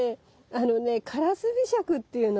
あのねカラスビシャクっていうの。